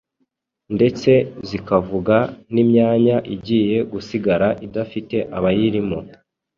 ndetse zikavuga n’imyanya igiye gusigara idafite abayirimo.